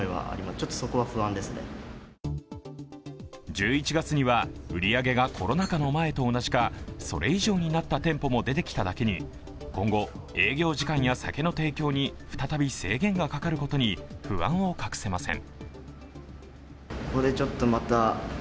１１月には売り上げがコロナ禍の前と同じか、それ以上になった店舗も出てきただけに今後、営業時間や酒の提供に再び制限がかかることに不安を隠せません。